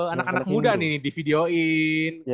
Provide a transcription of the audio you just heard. anak anak muda nih di videoin